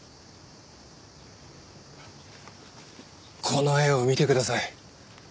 この絵を見てください。